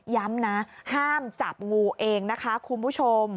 ย้ำนะห้ามจับงูเองนะคะคุณผู้ชม